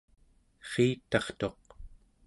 eritartuq